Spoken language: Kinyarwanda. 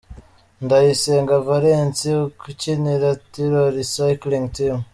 Ndayisenga Valens ukinira Tirol Cycling Team .